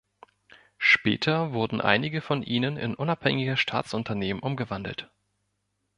Später wurden einige von ihnen in unabhängige Staatsunternehmen umgewandelt.